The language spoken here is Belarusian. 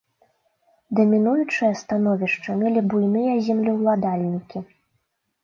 Дамінуючае становішча мелі буйныя землеўладальнікі.